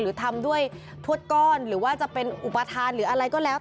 หรือทำด้วยทวดก้อนหรือว่าจะเป็นอุปทานหรืออะไรก็แล้ว